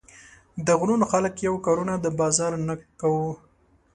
د غرونو خلک يو، کارونه د بازار نۀ کوو